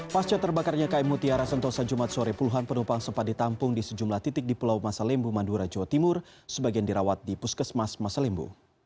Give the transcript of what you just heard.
pasca terbakarnya km mutiara sentosa jumat sore puluhan penumpang sempat ditampung di sejumlah titik di pulau masalimbu mandura jawa timur sebagian dirawat di puskesmas masalimbu